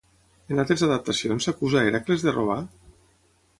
En altres adaptacions s'acusa Hèracles de robar?